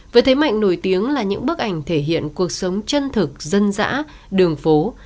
với thế mạnh nổi tiếng là những bức ảnh thể hiện cuộc sống chân thực dân dã đường phố